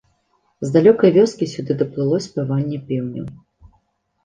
З далёкай вёскі сюды даплыло спяванне пеўняў.